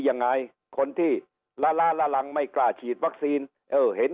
ยังไงคนที่ละล้าละลังไม่กล้าฉีดวัคซีนเออเห็น